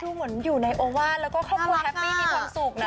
เหมือนอยู่ในโอวาสแล้วก็ครอบครัวแฮปปี้มีความสุขนะ